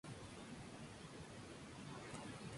Actualmente reside en la localidad de Oñate en Guipúzcoa.